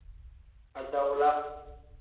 Adawula.